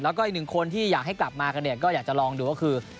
แล้วก็อีกหนึ่งคนที่อยากให้กลับมากันเนี่ยก็อยากจะลองดูก็คือ